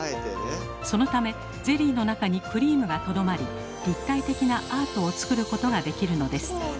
そのためゼリーの中にクリームがとどまり立体的なアートを作ることができるのです。